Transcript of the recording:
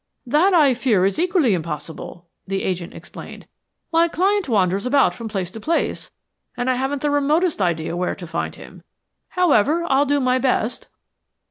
"That I fear is equally impossible," the agent explained. "My client wanders about from place to place, and I haven't the remotest idea where to find him. However, I'll do my best."